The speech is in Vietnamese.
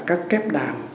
đến các kép đàn